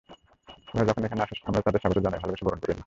ওরা যখন এখানে আসে, আমরা তাদের স্বাগত জানাই, ভালোবেসে বরণ করে নিই।